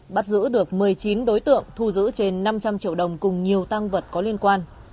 bắt giữ được một mươi chín đối tượng thu giữ trên năm trăm linh triệu đồng cùng nhiều tăng vật có liên quan